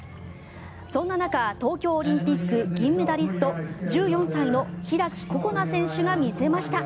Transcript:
そんな中東京オリンピック銀メダリスト１４歳の開心那選手が見せました。